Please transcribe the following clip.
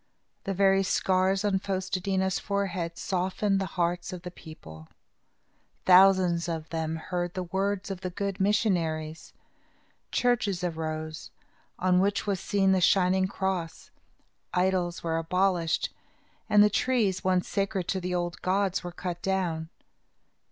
The very scars on Fos te dí na's forehead softened the hearts of the people. Thousands of them heard the words of the good missionaries. Churches arose, on which was seen the shining cross. Idols were abolished and the trees, once sacred to the old gods, were cut down.